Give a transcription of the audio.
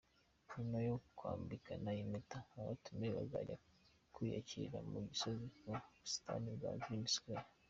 Nyuma yo kwambikana impeta, abatumiwe bazajya kwiyakirira ku Gisozi mu busitani bwa Green Square.